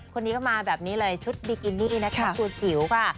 คนนี้ก็มาแบบนี้เลยชุดบิกินี่นะคะตัวจิ๋วค่ะ